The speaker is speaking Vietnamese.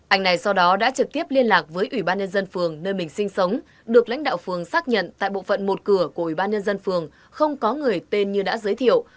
anh này sau đó đã trực tiếp liên lạc với ủy ban nhân dân phường nơi mình sinh sống được lãnh đạo phường xác nhận tại bộ phận một cửa của ủy ban nhân dân phường không có người tên như đã giới thiệu